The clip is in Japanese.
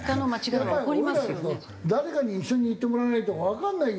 やっぱり俺らだと誰かに一緒に行ってもらわないとわかんないよ。